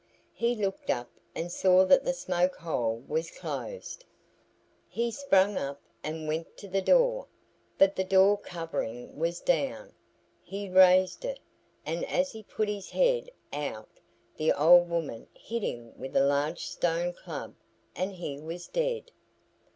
He looked up and saw that the smoke hole was closed. He sprang up and went to the door, but the door covering was down. He raised it, and as he put his head out the old woman hit him with a large stone club and he was dead.